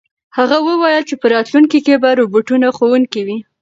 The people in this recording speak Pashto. هغه وویل چې په راتلونکي کې به روبوټونه ښوونکي وي.